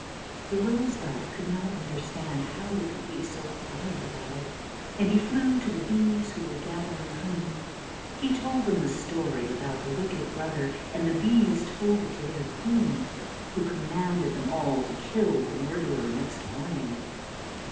The rose elf could not understand how they could be so quiet about it, and he flew to the bees who were gathering honey. He told them the story about the wicked brother, and the bees told it to their queen, who commanded them all to kill the murderer next morning.